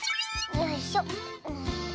よいしょ。